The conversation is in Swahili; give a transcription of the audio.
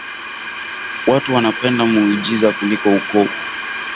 Watu wanapenda miujiza kuliko ukovu